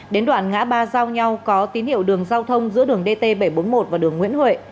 đến đoạn ngã ba giao nhau có tín hiệu đường giao thông giữa đường dt bảy trăm bốn mươi một và đường nguyễn huệ